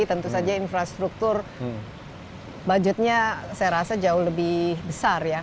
tentu saja infrastruktur budgetnya saya rasa jauh lebih besar ya